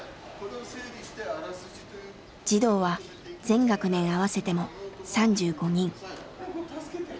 児童は全学年合わせても３５人。